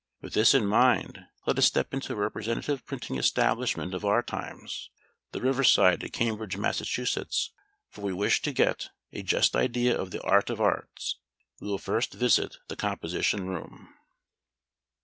With this in mind, let us step into a representative printing establishment of our times, the "Riverside," at Cambridge, Mass.; for we wish to get a just idea of the Art of arts. We will first visit the Composition Room.